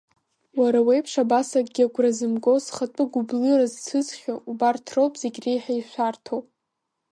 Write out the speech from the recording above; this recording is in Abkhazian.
Уара уеиԥш абас акгьы агура зымго, зхатәы гуаблыра зцәыӡхьоу, убарҭ роуп зегь реиҳа ишәарҭоу!